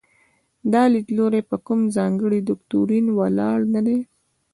دا لیدلوری په کوم ځانګړي دوکتورین ولاړ نه دی.